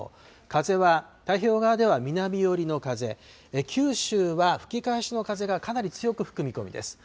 風は太平洋側では南寄りの風、九州は吹き返しの風がかなり強く吹く見込みです。